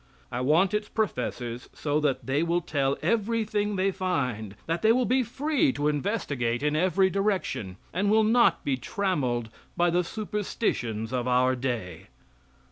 I want its professors so that they will tell everything they find; that they will be free to investigate in every direction, and will not be trammeled by the superstitions of our day.